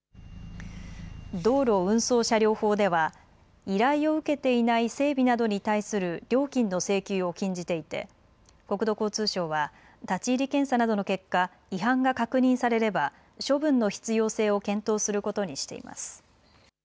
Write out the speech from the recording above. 道路運送車両法では依頼を受けていない整備などに対する料金の請求を禁じていて国土交通省は立ち入り検査などの結果、違反が確認されれば処分の必要性を検討することにしています。